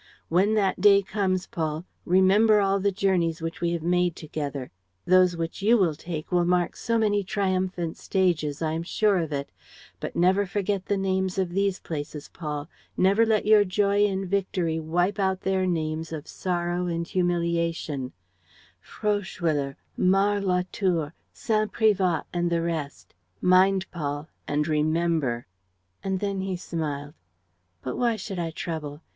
When that day comes, Paul, remember all the journeys which we have made together. Those which you will take will mark so many triumphant stages, I am sure of it. But never forget the names of these places, Paul; never let your joy in victory wipe out their names of sorrow and humiliation: Froeschwiller, Mars la Tour, Saint Privat and the rest. Mind, Paul, and remember!' And he then smiled. 'But why should I trouble?